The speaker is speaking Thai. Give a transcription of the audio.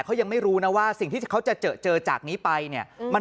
เขายังไม่รู้นะว่าสิ่งที่เขาจะเจอเจอจากนี้ไปเนี่ย